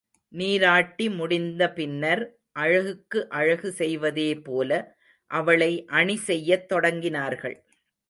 நீராட்டி முடிந்த பின்னர், அழகுக்கு அழகு செய்வதேபோல அவளை அணி செய்யத் தொடங்கினார்கள்.